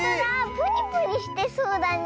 プニプニしてそうだね